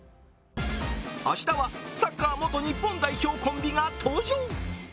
明日はサッカー元日本代表コンビが登場。